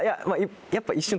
やっぱ。